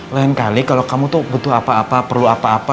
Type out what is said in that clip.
lain kali kalau kamu tuh butuh apa apa